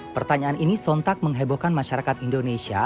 pertanyaan ini sontak menghebohkan masyarakat indonesia